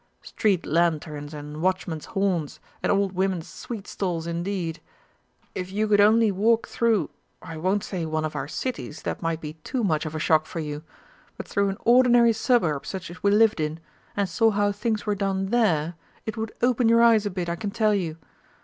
Street lanterns and watchmen's horns and old women's sweet stalls indeed! If you could only walk through I won't say one of our Cities, that might be too much of a shock for you but through an ordinary suburb such as we lived in, and saw how things were done there, it would open your eyes a bit, I can tell you!